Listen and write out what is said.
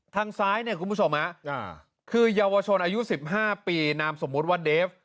ทางซ้ายคุณผู้ชมค่ะคือยาวชนอายุ๑๕ปีนามสมมติว่าเดฟ